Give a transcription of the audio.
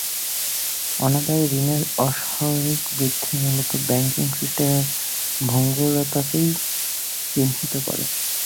অনাদায়ি ঋণের অস্বাভাবিক বৃদ্ধি মূলত ব্যাংকিং সিস্টেমের ভঙ্গুরতাকেই চিহ্নিত করে।